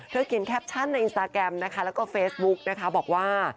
เขียนแคปชั่นในอินสตาแกรมนะคะแล้วก็เฟซบุ๊กนะคะบอกว่า